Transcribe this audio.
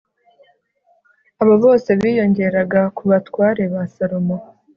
abo bose biyongeraga ku batware ba salomo